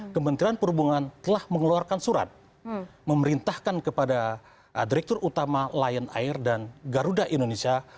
kementerian perhubungan telah mengeluarkan surat memerintahkan kepada direktur utama lion air dan garuda indonesia